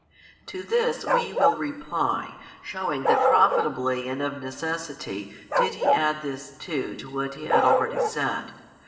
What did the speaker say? To this WE will reply, shewing that profitably and of necessity did He add this too to what He had already said.